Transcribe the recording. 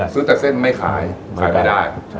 ซื้อแต่เส้นไม่ขายขายไม่ได้